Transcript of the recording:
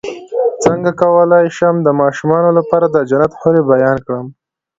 څنګه کولی شم د ماشومانو لپاره د جنت حورې بیان کړم